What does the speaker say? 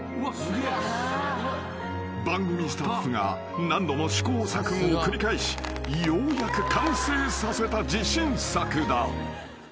［番組スタッフが何度も試行錯誤を繰り返しようやく完成させた自信作だ］